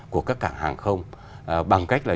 của các cảng hàng không bằng cách là